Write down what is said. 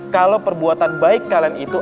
kalau perbuatan baik kalian itu